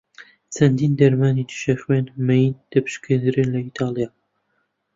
چەندین دەرمانی دژە خوێن مەین دەپشکنرێن لە ئیتاڵیا.